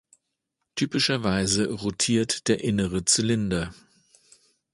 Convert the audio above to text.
Typischerweise rotiert der innere Zylinder.